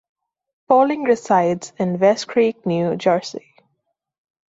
Poling resides in West Creek, New Jersey.